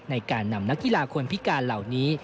ในการนำนักกีฬาคนพิการเหล่านี้